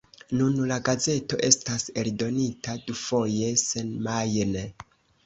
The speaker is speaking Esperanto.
Nun la gazeto estas eldonita dufoje semajne.